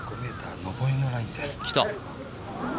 上りのラインです。